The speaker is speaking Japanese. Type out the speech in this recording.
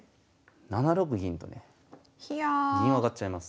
７六銀とね銀を上がっちゃいます。